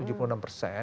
jauh lebih besar